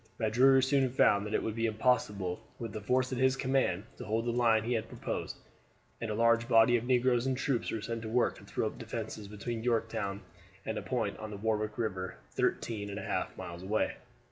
Magruder soon found that it would be impossible with the force at his command to hold the line he had proposed, and a large body of negroes and troops were set to work to throw up defenses between Yorktown and a point on the Warwick River thirteen and a half miles away.